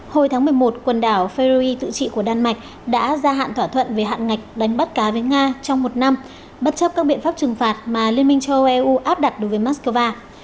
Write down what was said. hồi tháng một mươi một quần đảo ferui tự trị của đan mạch đã gia hạn thỏa thuận về hạn ngạch đánh bắt cá với nga trong một năm bất chấp các biện pháp trừng phạt mà liên minh châu âu eu áp đặt đối với moscow